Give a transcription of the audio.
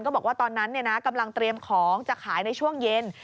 บอกว่าตอนนั้นกำลังเตรียมของจะขายในช่วงเย็น